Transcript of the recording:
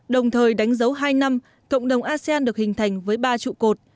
đồng thời đánh dấu hai năm cộng đồng asean được hình thành với ba trụ cột